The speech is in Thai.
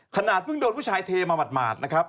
ขนาดเพิ่งโดนผู้ชายเทมาหมาดนะครับ